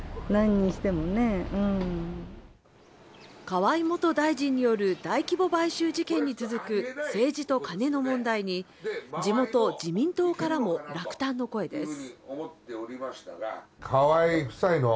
河井元大臣による大規模買収事件に続く政治と金の問題に地元・自民党からも落胆の声です。